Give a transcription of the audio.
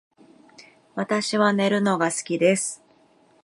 私は寝るのが好きです